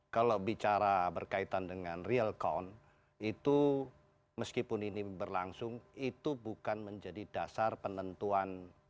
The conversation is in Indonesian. kalau bicara berkaitan dengan real count itu meskipun ini berlangsung itu bukan menjadi dasar penentuan